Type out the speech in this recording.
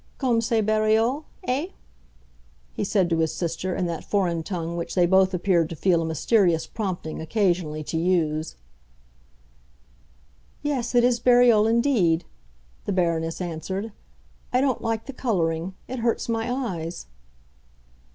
"Comme c'est bariolé, eh?" he said to his sister in that foreign tongue which they both appeared to feel a mysterious prompting occasionally to use. "Yes, it is bariolé indeed," the Baroness answered. "I don't like the coloring; it hurts my eyes."